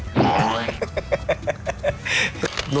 ดูด้วย